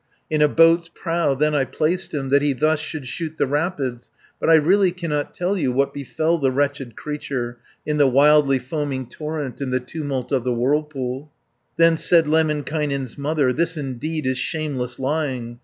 In a boat's prow then I placed him, That he thus should shoot the rapids, But I really cannot tell you What befel the wretched creature; 90 In the wildly foaming torrent, In the tumult of the whirlpool." Then said Lemminkainen's mother, "This indeed is shameless lying.